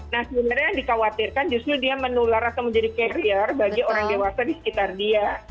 nah sebenarnya yang dikhawatirkan justru dia menular atau menjadi carrier bagi orang dewasa di sekitar dia